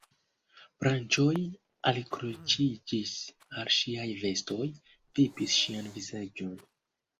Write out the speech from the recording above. Branĉoj alkroĉiĝis al ŝiaj vestoj, vipis ŝian vizaĝon.